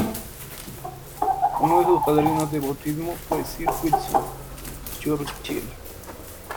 Uno de sus padrinos de bautismo fue sir Winston Churchill.